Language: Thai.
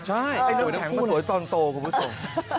ไอ้น้ำแข็งมันสวยตอนโตคุณผู้ชม